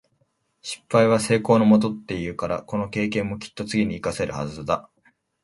「失敗は成功のもと」って言うから、この経験もきっと次に活かせるはずだ。